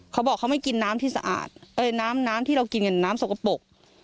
เขาบอกเขาไม่กินน้ำที่สะอาดน้ำที่เรากินเป็นน้ำสกปรก